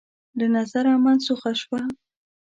له نظره منسوخه شوه